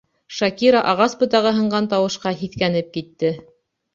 Шакира ағас ботағы һынған тауышҡа һиҫкәнеп китте.